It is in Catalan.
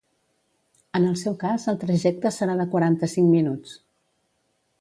En el seu cas el trajecte serà de quaranta-cinc minuts.